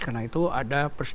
karena itu ada